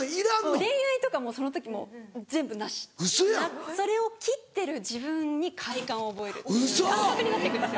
恋愛とかもうその時全部なしそれを切ってる自分に快感を覚える感覚になって行くんですよ。